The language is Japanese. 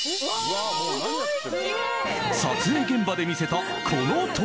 ［撮影現場で見せたこの倒立］